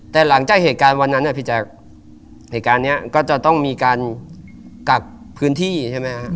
แต่หลังจากเหตุการณ์วันนั้นพี่แจ๊คเหตุการณ์นี้ก็จะต้องมีการกักพื้นที่ใช่ไหมฮะ